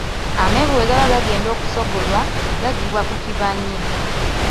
Amenvu bwe gaba gagenda okusogolwa, gaggyibwa ku kibanyi.